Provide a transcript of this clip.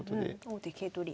王手桂取り。